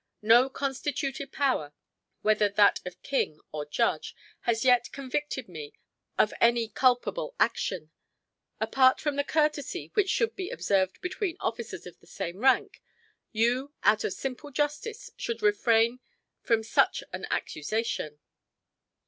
No constituted power, whether that of king or judge, has yet convicted me of any culpable action. Apart from the courtesy which should be observed between officers of the same rank, you, out of simple justice, should refrain front such an accusation."